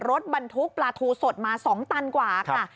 รถบรรทุกปลาทูสดมา๒ตันกว่าค่ะ